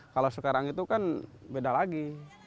kalau sekarang itu kan beda lagi